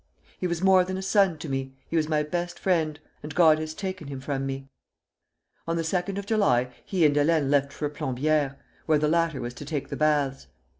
He was more than a son to me, he was my best friend. And God has taken him from me!... On the 2d of July he and Hélène left for Plombières, where the latter was to take the baths.